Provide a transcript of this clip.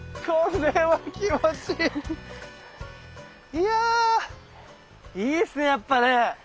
いやいいっすねやっぱね。